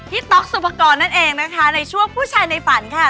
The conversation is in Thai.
ต๊อกสุภกรนั่นเองนะคะในช่วงผู้ชายในฝันค่ะ